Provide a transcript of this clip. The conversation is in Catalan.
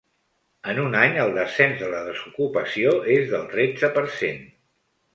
En un any el descens de la desocupació és del tretze per cent.